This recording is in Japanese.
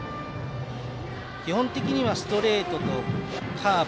基本的にはストレートとカーブ